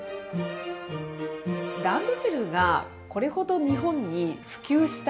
ランドセルがこれほど日本に普及した